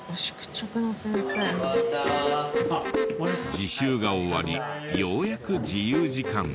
自習が終わりようやく自由時間。